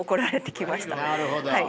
なるほど。